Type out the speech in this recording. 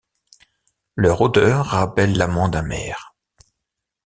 Leur odeur rappelle l'amande amère.